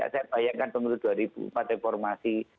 saya bayangkan pemilu dua ribu empat reformasi